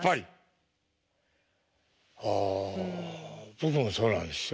僕もそうなんですよ。